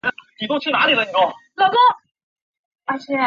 杂金蛛为园蛛科金蛛属的动物。